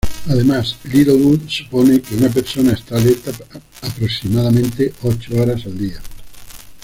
Además Littlewood supone que una persona está alerta aproximadamente ocho horas al día.